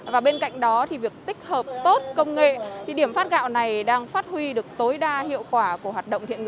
và bên cạnh đó thì việc tích hợp tốt công nghệ thì điểm phát gạo này đang phát huy được tối đa hiệu quả